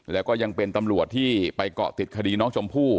แล้วก็ยังเป็นตำรวจที่ไปเกาะติดคดีน้องชมพู่